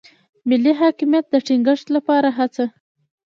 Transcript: ملي حاکمیت د ټینګښت لپاره هڅه.